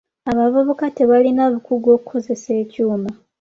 Abavubuka tebalina bukugu okukozesa ekyuma.